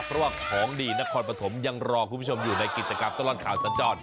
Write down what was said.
เพราะว่าของดีนครปฐมยังรอคุณผู้ชมอยู่ในกิจกรรมตลอดข่าวสัญจร